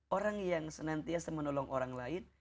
orang yang senantiasa menolong orang lain